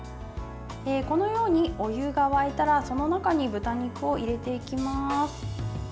このように、お湯が沸いたらその中に豚肉を入れていきます。